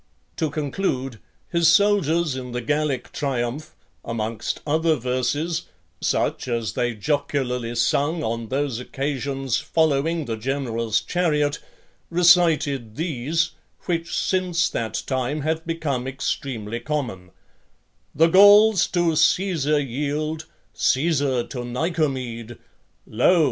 To conclude, his soldiers in the Gallic triumph, amongst other verses, such as they jocularly sung on those occasions, following the general's chariot, recited these, which since that time have become extremely common: The Gauls to Caesar yield, Caesar to Nicomede, Lo!